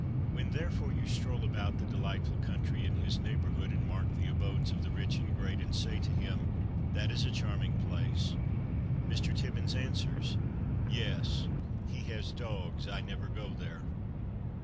When, therefore, you stroll about the delightful country in his neighborhood and mark the abodes of the rich and great, and say to him, "That is a charming place," Mr. Tibbins answers, "Yes, he has dogs; I never go there."